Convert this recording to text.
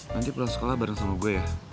nanti pulang sekolah bareng sama gue ya